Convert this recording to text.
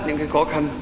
những cái khó khăn